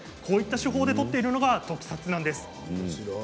こういう手法で撮ってるのが特撮なんです。